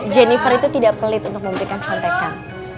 jennifer itu tidak pelit untuk memberikan contekan